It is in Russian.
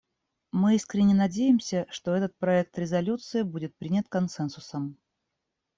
Мы искренне надеемся, что этот проект резолюции будет принят консенсусом.